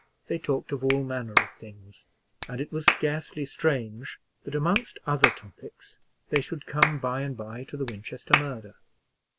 They talked of all manner of things, and it was scarcely strange that amongst other topics they should come by and by to the Winchester murder.